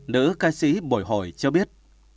nữ ca sĩ bồi hồi cho biết